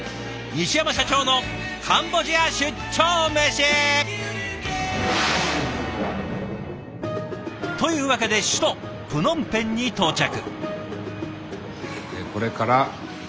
西山社長の「カンボジア出張メシ！」。というわけで首都プノンペンに到着。